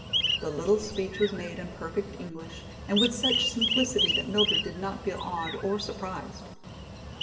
The little speech was made in perfect English and with such simplicity that Mildred did not feel awed or surprised.